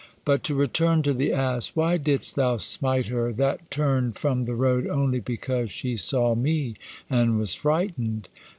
But to return to the ass, why didst thou smite her, that turned from the road only because she saw me and was frightened?"